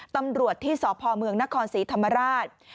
ตำรวจที่สพเมืองนครศรีธรรมราช